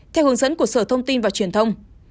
theo hướng dẫn của sở thông tin và truyền thông